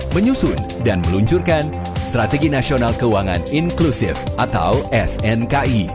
menyusun dan meluncurkan strategi nasional keuangan inklusif atau snki